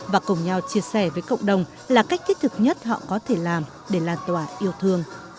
và cùng nhau chia sẻ với cộng đồng là cách thiết thực nhất họ có thể làm để lan tỏa yêu thương